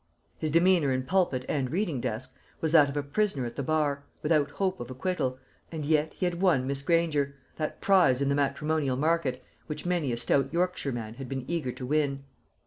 His demeanour in pulpit and reading desk was that of a prisoner at the bar, without hope of acquittal, and yet he had won Miss Granger that prize in the matrimonial market, which many a stout Yorkshireman had been eager to win.